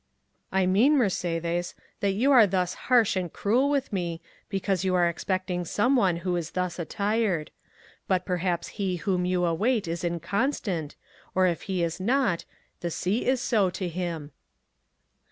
"I mean, Mercédès, that you are thus harsh and cruel with me, because you are expecting someone who is thus attired; but perhaps he whom you await is inconstant, or if he is not, the sea is so to him."